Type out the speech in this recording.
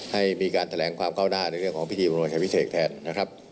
ให้มีการแถลงความก้าวหน้าในเรื่องของพิธีบรมชายพิเศษแทนนะครับ